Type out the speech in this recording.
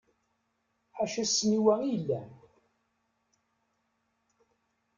Ḥaca ssniwa i yellan.